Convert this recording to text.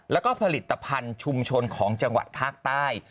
แล้วก็ผลิตภัณฑ์ชุมชนของจังหวัดภาคใต้